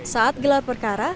saat gelar perkara